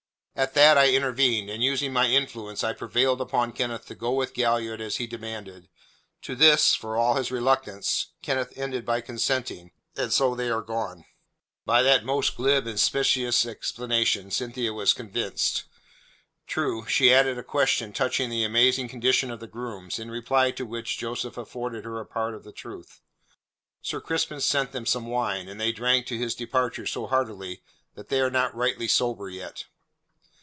At that I intervened, and using my influence, I prevailed upon Kenneth to go with Galliard as he demanded. To this, for all his reluctance, Kenneth ended by consenting, and so they are gone." By that most glib and specious explanation Cynthia was convinced. True, she added a question touching the amazing condition of the grooms, in reply to which Joseph afforded her a part of the truth. "Sir Crispin sent them some wine, and they drank to his departure so heartily that they are not rightly sober yet."